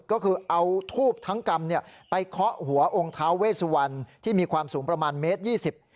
ก็คือเอาทูบทั้งกรรมเนี่ยไปเคาะหัวองค์ท้าเวสวันที่มีความสูงประมาณเมตรยี่สิบ